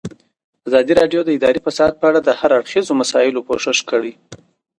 ازادي راډیو د اداري فساد په اړه د هر اړخیزو مسایلو پوښښ کړی.